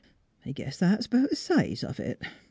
I guess that's about th' size of it."